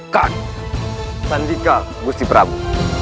kau masih putraku